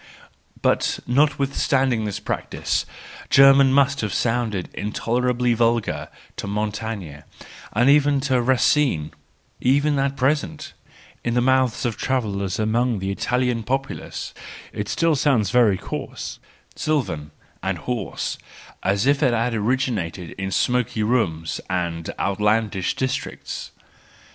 But notwithstanding this practice, German must have sounded intolerably vulgar to Montaigne, and even to Racine: even at present, in the mouths of travellers among the Italian populace, it still sounds very coarse, sylvan, and hoarse, as if it had origi¬ nated in smoky rooms and outlandish districts.